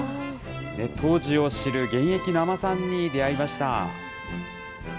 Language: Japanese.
当時を知る現役の海女さんに出会いました。